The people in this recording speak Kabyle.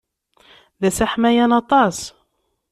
D ass aḥmayan aṭas.